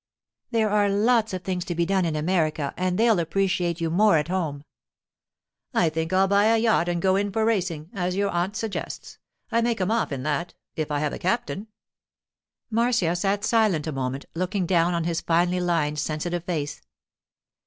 'There are lots of things to be done in America, and they'll appreciate you more at home.' 'I think I'll buy a yacht and go in for racing, as your aunt suggests. I may come off in that—if I have a captain.' Marcia sat silent a moment, looking down on his finely lined, sensitive face.